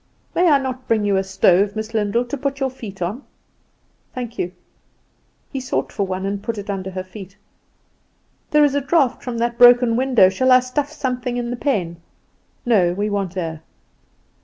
"May I not bring you a stove, Miss Lyndall, to put your feet on?" "Thank you." He sought for one, and put it under her feet. "There is a draught from that broken window: shall I stuff something in the pane?" "No, we want air."